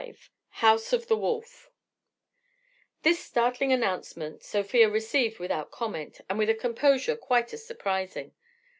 V HOUSE OF THE WOLF This startling announcement Sofia received without comment and with a composure quite as surprising.